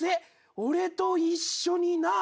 「俺と一緒にな」